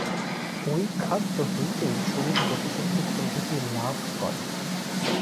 ঐ খাদ্য হইতেই শরীর গতিশক্তি প্রভৃতি লাভ করে।